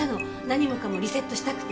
何もかもリセットしたくて。